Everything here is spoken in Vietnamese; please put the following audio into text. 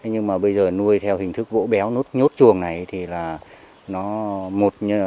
nếu mà nuôi theo hình thức vỗ béo nhốt chuồng này thì nó mụn